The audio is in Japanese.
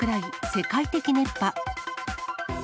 世界的熱波。